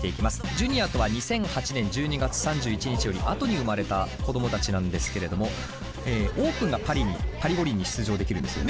ジュニアとは２００８年１２月３１日より後に生まれた子どもたちなんですけれどもオープンがパリにパリ五輪に出場できるんですよね。